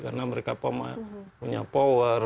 karena mereka punya power